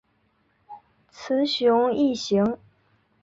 雌雄异型。